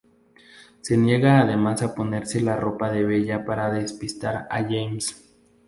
Se niega además a ponerse la ropa de Bella para despistar a James.